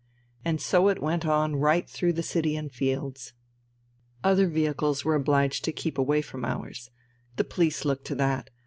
And so it went on right through the city and the fields. Other vehicles were obliged to keep away from ours; the police looked to that.